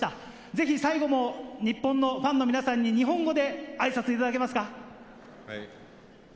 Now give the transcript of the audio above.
ぜひ最後も日本のファンの皆さんに日本語で挨拶いただけますか。